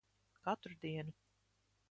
Katru dienu.